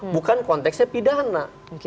bukan konteksnya pidana